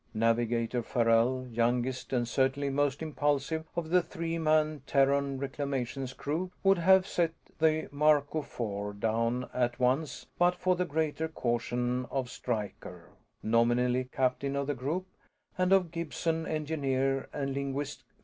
Navigator Farrell, youngest and certainly most impulsive of the three man Terran Reclamations crew, would have set the Marco Four down at once but for the greater caution of Stryker, nominally captain of the group, and of Gibson, engineer, and linguist.